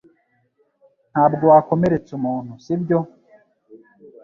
Ntabwo wakomeretsa umuntu sibyo